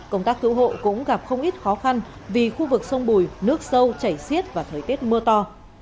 công tác cứu hộ cũng gặp không ít khó khăn vì khu vực sông bùi nước sâu chảy xiết và thời tiết mưa to